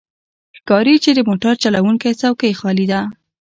ښکاري چې د موټر چلوونکی څوکۍ خالي ده.